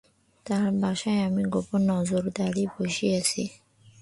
তার বাসায় আমি গোপন নজরদারী বসিয়েছি।